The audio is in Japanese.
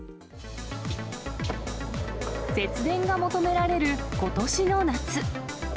節電が求められる、ことしの夏。